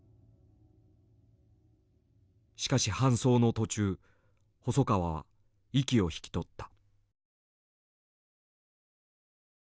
しかし搬送の途中細川は息を引き取った。